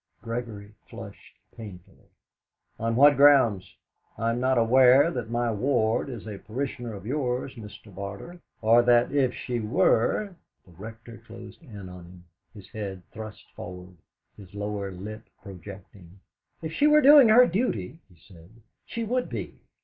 Gregory flushed painfully. "On what grounds? I am not aware that my ward is a parishioner of yours, Mr. Barter, or that if she were " The Rector closed in on him, his head thrust forward, his lower lip projecting. "If she were doing her duty," he said, "she would be.